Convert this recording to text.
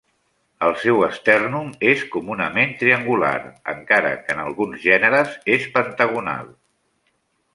El seu estèrnum és comunament triangular, encara que en alguns gèneres és pentagonal.